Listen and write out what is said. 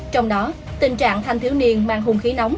trong đó tình trạng thành thiếu niên mang hùng khí nóng